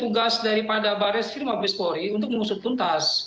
tunggul adalah tugas dari barreskrim mokpeskori untuk mengusut tuntas